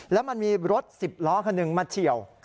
แล้วมันมีรถ๑๐ล้อคันหนึ่งมาเฉียว